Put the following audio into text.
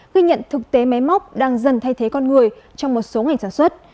ghi nhận thực tế máy móc đang dần thay thế con người trong một số ngành sản xuất